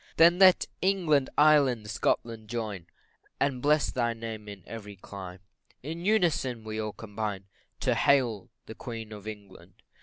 Then let England, Ireland, Scotland, join, And bless thy name in every clime In unison we all combine To hail the Queen of England.